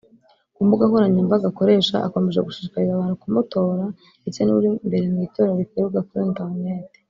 Ku mbuga nkoranyambaga akoresha akomeje gushishikariza abantu kumutora ndetse ni we uri imbere mu itora rikorerwa kuri internet